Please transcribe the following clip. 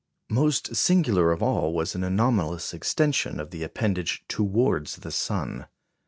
Most singular of all was an anomalous extension of the appendage towards the sun.